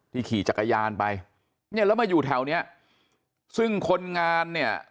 ขี่จักรยานไปเนี่ยแล้วมาอยู่แถวเนี้ยซึ่งคนงานเนี่ย